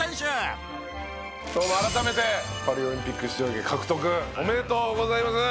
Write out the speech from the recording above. どうも改めてパリオリンピック出場権獲得おめでとうございます！